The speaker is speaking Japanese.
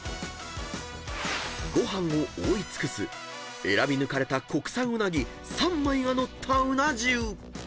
［ご飯を覆い尽くす選び抜かれた国産うなぎ３枚が載ったうな重］